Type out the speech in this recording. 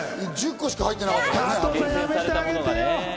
１０個しか入ってなかった。